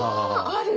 ある！